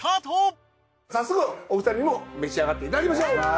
早速お二人にも召し上がっていただきましょう。